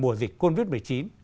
mùa dịch covid một mươi chín